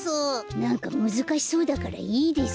なんかむずかしそうだからいいです。